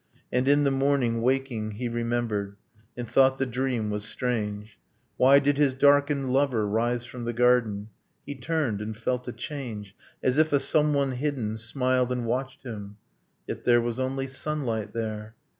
And in the morning, waking, he remembered, And thought the dream was strange. Why did his darkened lover rise from the garden? He turned, and felt a change, As if a someone hidden smiled and watched him ... Yet there was only sunlight there.